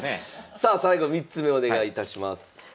さあ最後３つ目お願いいたします。